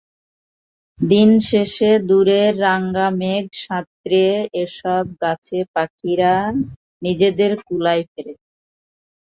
দিন শেষে দূরের রাঙামেঘ সাঁতরে এসব গাছে পাখিরা নিজেদের কুলায় ফেরে।